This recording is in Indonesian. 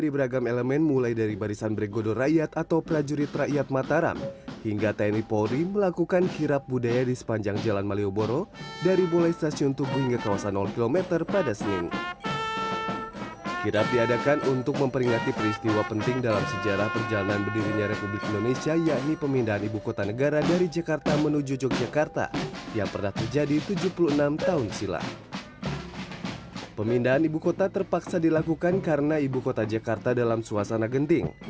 pemindahan ibu kota terpaksa dilakukan karena ibu kota jakarta dalam suasana genting